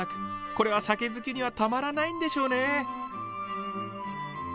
これは酒好きにはたまらないんでしょうね。